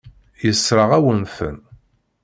Yessṛeɣ-awen-ten.